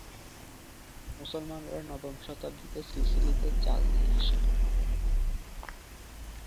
মুসলমানরা নবম শতাব্দীতে সিসিলিতে চাল নিয়ে আসে।